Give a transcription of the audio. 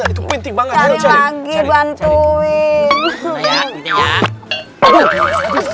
itu penting banget